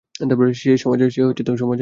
সে সমাজের কলঙ্ক।